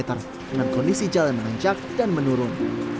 dengan kondisi jalan mengejak dan menurun